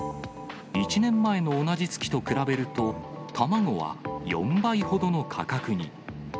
１年前の同じ月と比べると、卵は４倍ほどの価格に。